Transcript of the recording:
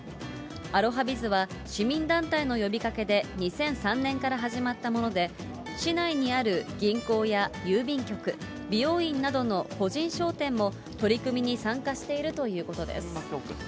アロハビズは市民団体の呼びかけで２００３年から始まったもので、市内にある銀行や郵便局、美容院などの個人商店も取り組みに参加しているということです。